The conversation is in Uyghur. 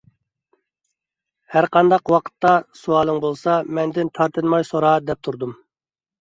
«ھەر قانداق ۋاقىتتا سوئالىڭ بولسا، مەندىن تارتىنماي سورا» دەپ تۇردۇم.